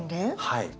はい。